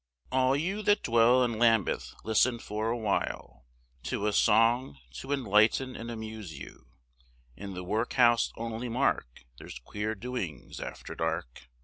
All you that dwell in Lambeth, listen for awhile, To a song to enlighten and amuse you, In the workhouse only mark, there's queer doings after dark.